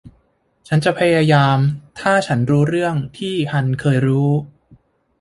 ฉันจะพยายามถ้าฉันรู้เรื่องที่ฮันเคยรู้